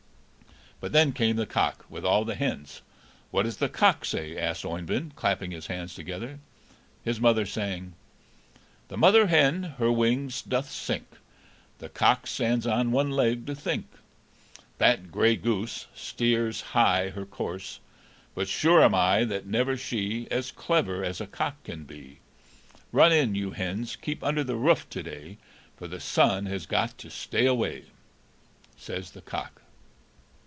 But then came the cock, with all the hens. "What does the cock say?" asked Oeyvind, clapping his hands together. His mother sang: "'The mother hen her wings doth sink, The cock stands on one leg to think: That grey goose Steers high her course; But sure am I that never she As clever as a cock can be. Run in, you hens, keep under the roof to day, For the sun has got leave to stay away,' says the cock."